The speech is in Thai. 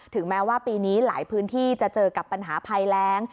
แม้ว่าปีนี้หลายพื้นที่จะเจอกับปัญหาภัยแรง